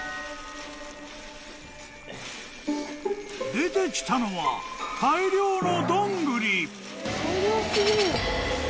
［出てきたのは大量の］